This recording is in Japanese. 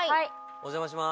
お邪魔します。